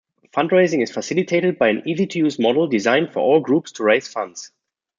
Fundraising is facilitated by an easy-to-use model designed for all groups to raise funds.